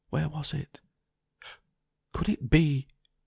Where was it? Could it be